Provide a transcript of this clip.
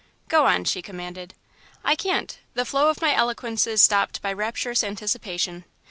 "Go on," she commanded. "I can't the flow of my eloquence is stopped by rapturous anticipation.